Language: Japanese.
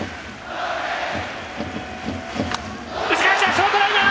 ショートライナー！